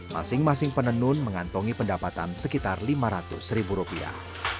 masing masing penenun mengantongi pendapatan sekitar lima ratus ribu rupiah